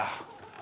あ？